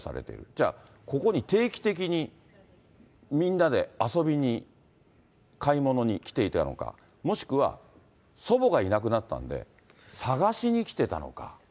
じゃあ、ここに定期的にみんなで遊びに、買い物に来ていたのか、もしくは祖母がいなくなったんで、捜しに来てたのか。